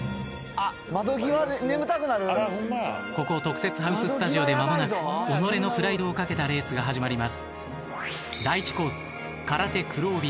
ここ特設ハウススタジオで間もなく己のプライドを懸けたレースが始まります。